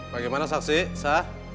bagaimana saksi sah